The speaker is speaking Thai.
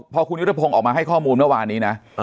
พอคุณยุทธพงศ์ออกมาให้ข้อมูลเมื่อวานนี้นะ